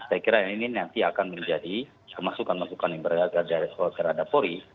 saya kira ini nanti akan menjadi kemasukan masukan yang berada di sekolah terhadap polri